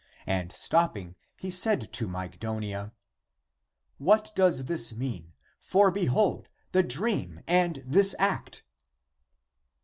And stopping he said to Mygdonia, "What does this mean? For behold, the dream and this act